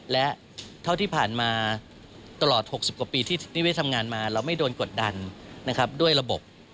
และเท่าที่ผ่านมาตลอด๖๐กว่าปีที่นิเวศทำงานมาเราไม่โดนกดดันนะครับด้วยระบบ